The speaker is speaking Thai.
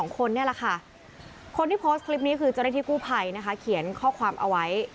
คนที่โพสต์คลิปนี้คือจริงที่กู้ภัยเขียนข้อความเอาไว้